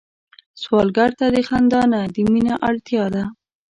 سوالګر ته د خندا نه، د مينه اړتيا ده